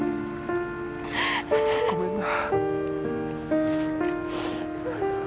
ごめんな。